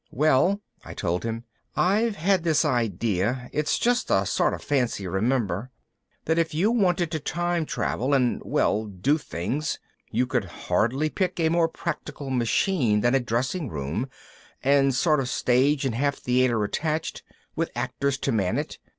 "Well," I told him, "I've had this idea it's just a sort of fancy, remember that if you wanted to time travel and, well, do things, you could hardly pick a more practical machine than a dressing room and sort of stage and half theater attached, with actors to man it.